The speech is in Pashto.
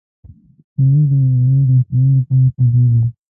تنور د مېلمنو د احترام لپاره تودېږي